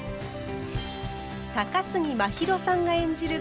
高杉真宙さんが演じる